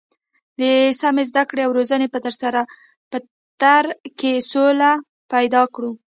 د سمې زده کړې او روزنې په تر کې سوله پیدا کړو.